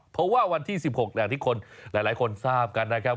เพราะว่าวันที่๑๖อย่างที่คนหลายคนทราบกันนะครับ